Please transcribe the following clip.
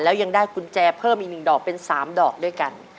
แล้วยังได้กุญแจเพิ่มอีก๑ดอกเป็น๓ดอกด้วยกัน